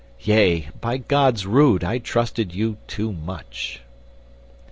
Yea, by God's rood, I trusted you too much."